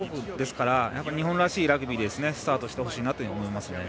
どこも強豪国ですから日本らしいラグビーでスタートしてほしいと思います。